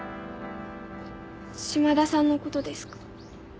島田さんの事ですか？